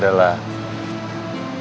ya tapi aku mau